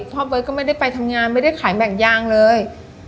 เบิร์ตก็ไม่ได้ไปทำงานไม่ได้ขายแบ่งยางเลย